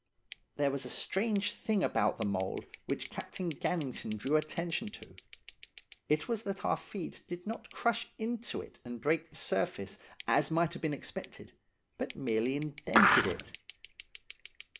"There was a strange thing about the mould which Captain Gannington drew attention to–it was that our feet did not crush into it and break the surface, as might have been expected, but merely indented it.